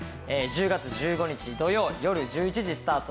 １０月１５日土曜よる１１時スタート。